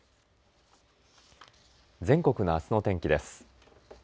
全国のあすの天気です。